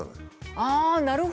ああなるほどね。